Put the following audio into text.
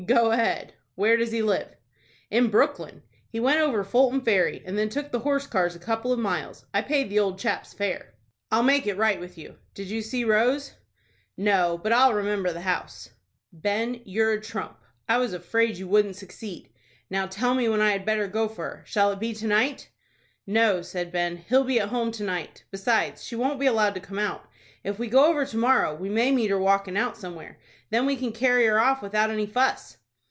"Go ahead. Where does he live?" "In Brooklyn. We went over Fulton Ferry, and then took the horse cars a couple of miles. I paid the old chap's fare." "I'll make it right with you. Did you see Rose?" "No; but I'll remember the house." "Ben, you're a trump. I was afraid you wouldn't succeed. Now tell me when I had better go for her? Shall it be to night?" "No," said Ben; "he'll be at home to night. Besides, she won't be allowed to come out. If we go over to morrow, we may meet her walkin' out somewhere. Then we can carry her off without any fuss."